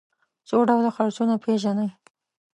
څو ډوله څرخونه پيژنئ.